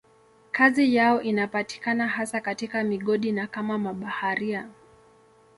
Kazi yao inapatikana hasa katika migodi na kama mabaharia.